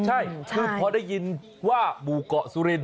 ใช่คือพอได้ยินว่าหมู่เกาะสุรินท